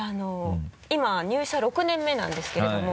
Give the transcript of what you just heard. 今入社６年目なんですけれども。